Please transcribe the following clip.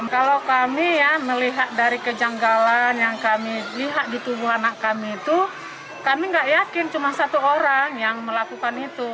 kalau kami ya melihat dari kejanggalan yang kami lihat di tubuh anak kami itu kami nggak yakin cuma satu orang yang melakukan itu